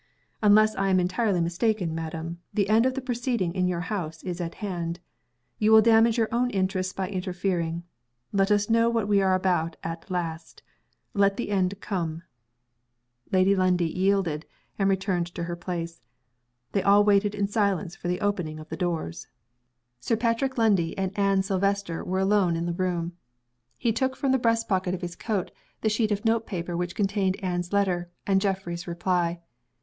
"Unless I am entirely mistaken, madam, the end of the proceedings in your house is at hand. You will damage your own interests by interfering. Let us know what we are about at last. Let the end come." Lady Lundie yielded, and returned to her place. They all waited in silence for the opening of the doors. Sir Patrick Lundie and Anne Silvester were alone in the room. He took from the breast pocket of his coat the sheet of note paper which contained Anne's letter, and Geoffrey's reply.